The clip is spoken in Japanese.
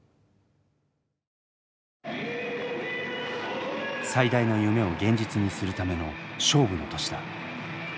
最大の夢を現実にするための勝負の年だ。